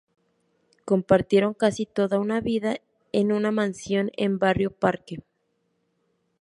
Compartieron casi toda una vida en una mansión en Barrio Parque.